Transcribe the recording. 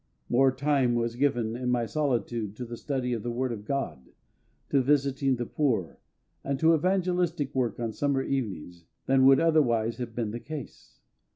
More time was given in my solitude to the study of the Word of GOD, to visiting the poor, and to evangelistic work on summer evenings than would otherwise have been the case.